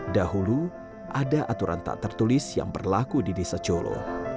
dahulu ada aturan tak tertulis yang berlaku di desa colo